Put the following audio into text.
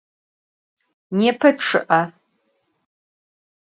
Nêpe ççı'e.